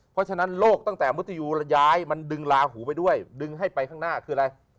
เพราะฉะนั้นโลกตั้งแต่มุติยูย้ายมันดึงลาหูไปด้วยดึงให้ไปข้างหน้าคืออะไร